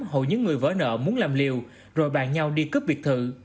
hầu như người vỡ nợ muốn làm liều rồi bàn nhau đi cướp biệt thự